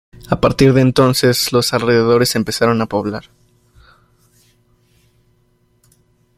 A partir de entonces los alrededores se empezaron a poblar.